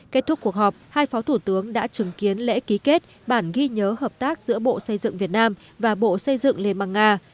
kết thúc cuộc họp hai phó thủ tướng đã chứng kiến lễ ký kết bản ghi nhớ hợp tác giữa bộ xây dựng việt nam và bộ xây dựng liên bang nga